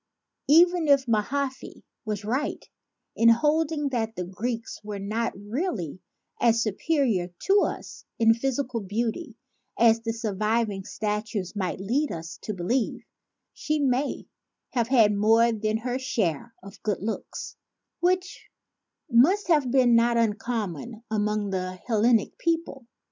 Even if Mahaffy was right in holding that the Greeks were not really so su perior to us in physical beauty as the surviving statues might lead us to believe, she may have had more than her share of the good looks which ON THE LENGTH OF CLEOPATRA'S NOSE must have been not uncommon among the Hel lenic peoples.